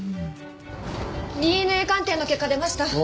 ＤＮＡ鑑定の結果出ました！